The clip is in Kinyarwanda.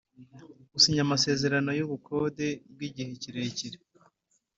Gusinya amasezerano y’ubukode bw’igihe kirekire